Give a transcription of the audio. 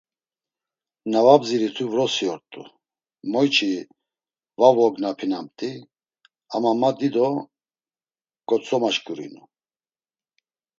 Na va bziritu vrosi ort̆u, moyçi va vognapinamt̆i ama ma dido kotzomaşǩurinu.